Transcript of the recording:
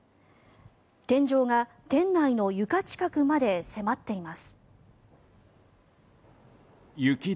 天井が店内の床近くまで迫っています。